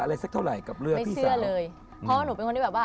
อะไรสักเท่าไหร่กับเลือดที่เสื้อเลยเพราะว่าหนูเป็นคนที่แบบว่า